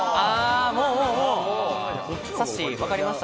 さっしー分かりました？